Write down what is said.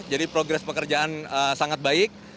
jadi progres pekerjaan sangat baik